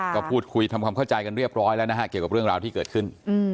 ก็พูดคุยทำความเข้าใจกันเรียบร้อยแล้วนะฮะเกี่ยวกับเรื่องราวที่เกิดขึ้น